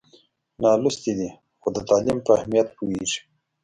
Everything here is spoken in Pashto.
نالوستی دی خو د تعلیم په اهمیت پوهېږي.